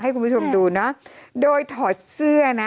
ให้คุณผู้ชมดูนะโดยถอดเสื้อนะ